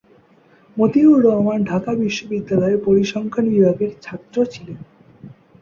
মতিউর রহমান ঢাকা বিশ্ববিদ্যালয়ের পরিসংখ্যান বিভাগের ছাত্র ছিলেন।